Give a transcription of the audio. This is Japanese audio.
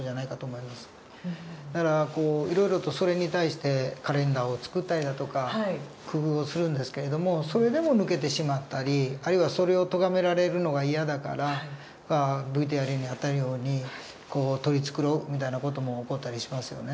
だからいろいろとそれに対してカレンダーを作ったりだとか工夫をするんですけれどもそれでも抜けてしまったりあるいはそれをとがめられるのが嫌だからＶＴＲにあったように取り繕うみたいな事も起こったりしますよね。